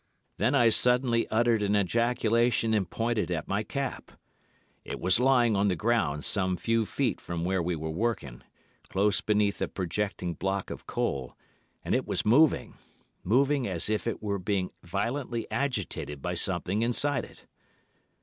Then I suddenly uttered an ejaculation and pointed at my cap. It was lying on the ground, some few feet from where we were working, close beneath a projecting block of coal, and it was moving—moving as if it were being violently agitated by something inside it.